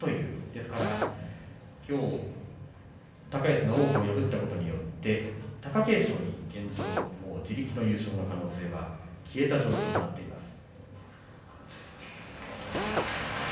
ですから今日高安が王鵬を破ったことによって貴景勝に現状、自力優勝の可能性は消えた状況です。